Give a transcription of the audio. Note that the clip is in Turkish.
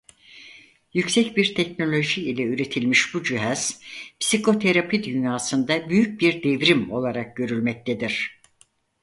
Yüksek bir teknoloji ile üretilmiş bu cihaz psikoterapi dünyasında büyük bir devrim olarak görülmektedir.